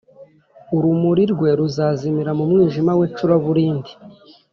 urumuri rwe ruzazimira mu mwijima w’icuraburindi